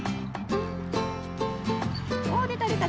おでたでた。